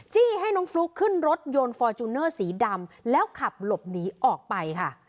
ให้น้องฟลุ๊กขึ้นรถยนต์ฟอร์จูเนอร์สีดำแล้วขับหลบหนีออกไปค่ะ